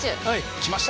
きました。